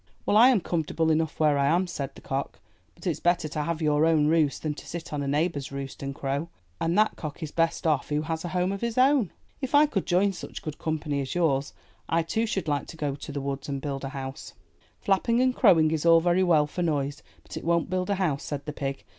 "Well, I am comfortable enough where I am," 281 MY BOOK HOUSE said the cock, ''but it's bet ter to have your own roost, than to sit on a neighbor's roost and crow, and that cock is best off who has a home of his own. If I could join such good company as yours, I, too, should like to go to the woods and build a house/* ''Flapping and crowing is all very well for noise, but it won't build a house," said the pig.